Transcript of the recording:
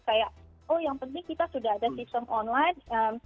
kayak oh yang penting kita sudah ada sistem online